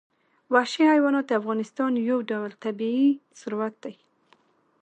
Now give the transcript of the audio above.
وحشي حیوانات د افغانستان یو ډول طبعي ثروت دی.